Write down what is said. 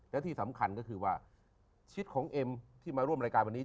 และที่สำคัญก็คือว่าชีวิตของเอ็มที่มาร่วมรายการวันนี้